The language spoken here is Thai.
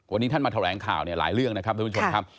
วันนี้ท่านมาแถลงข่าวเนี่ยหลายเรื่องนะครับทุกผู้ชมครับ